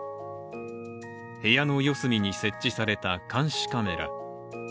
部屋の四隅に設置された監視カメラ。